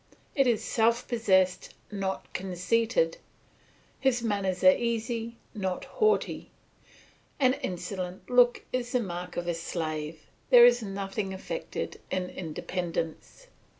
It is self possessed, not conceited; his manners are easy, not haughty; an insolent look is the mark of a slave, there is nothing affected in independence.